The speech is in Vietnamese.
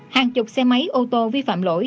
hàng chục xe máy ô tô vi phạm lỗi